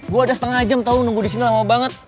gue ada setengah jam tau nunggu di sini lama banget